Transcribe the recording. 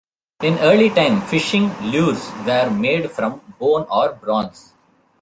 In early time, fishing lures were made from bone or bronze.